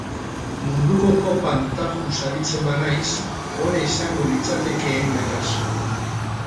Munduko kopan tajuz aritzen banaiz ona izango litzatekeen beraz.